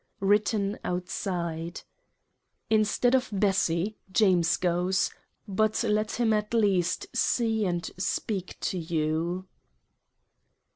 ( Written outside. ) Instead of Bessy, James goes ; but let him at least see and speak to you.